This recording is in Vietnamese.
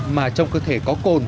mà trong cơ thể có cồn